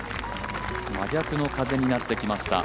真逆の風になってきました。